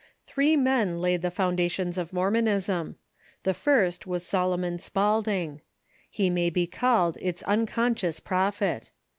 Three men laid the foundations of Mormonism. The first was Solomon Spaulding. He may be called its unconscious prophet.